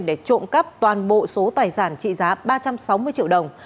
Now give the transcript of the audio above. để trộm cắp toàn bộ số tài sản trị giá ba trăm sáu mươi triệu đồng